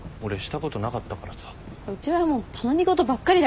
うちはもう頼み事ばっかりだから。